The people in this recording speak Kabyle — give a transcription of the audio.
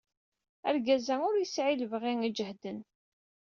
Argaz-a ur yesɛi lebɣi ijehden.